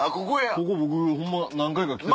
ここ僕ホンマ何回か来て。